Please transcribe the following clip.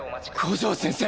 五条先生！